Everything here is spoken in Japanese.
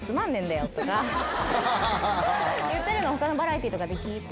言ってるの他のバラエティーとかで聞いて。